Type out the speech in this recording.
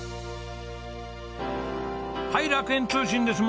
はい楽園通信です。